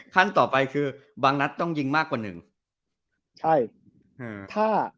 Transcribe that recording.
ขั้นต่อไปคือบางนัดต้องยิงมากกว่า๑